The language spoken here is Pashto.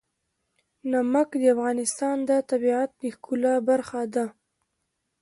نمک د افغانستان د طبیعت د ښکلا برخه ده.